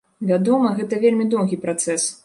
Вядома, гэта вельмі доўгі працэс.